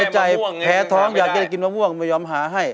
ใจแพ้ท้องอยากจะได้กินมะม่วงไม่ยอมหาให้